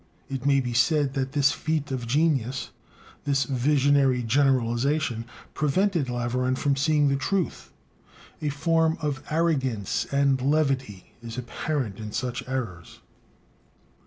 It may be said that this "feat of genius," this visionary generalization, prevented Laveran from seeing the truth. A form of arrogance and levity is apparent in such errors.